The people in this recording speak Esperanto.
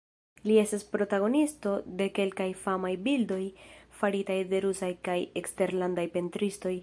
Li estas protagonisto de kelkaj famaj bildoj faritaj de rusaj kaj eksterlandaj pentristoj.